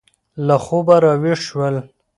له خوبه را ویښ شول.